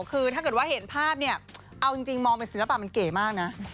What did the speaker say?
คือถ้าเกิดว่าเห็นภาพเนี่ยเอาจริงมองเป็นศิลปะมันเก๋มากนะ